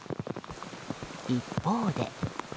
一方で。